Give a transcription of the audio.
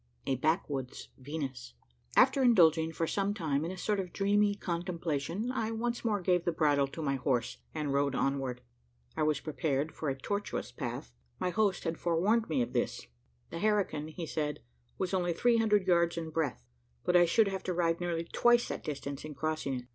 A BACKWOODS VENUS. After indulging for some time in a sort of dreamy contemplation I once more gave the bridle to my horse, and rode onward. I was prepared for a tortuous path: my host had forewarned me of this. The herrikin, he said, was only three hundred yards in breadth; but I should have to ride nearly twice that distance in crossing it.